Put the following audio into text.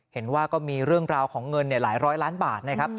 เห็นว่าก็มีเรื่องราวของเงินหลายร้อยล้านบาทนะครับ